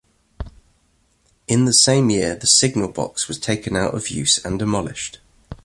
In the same year the signal box was taken out of use and demolished.